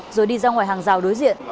rồi đi ra ngoài hàng rào đối diện